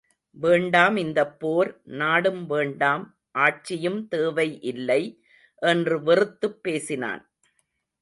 வேண்டாம் இந்தப் போர் நாடும் வேண்டாம் ஆட்சியும் தேவை இல்லை என்று வெறுத்துப் பேசினான்.